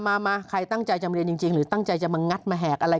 มาใครตั้งใจจำเรียนจริงหรือตั้งใจจะมางัดมาแหกอะไร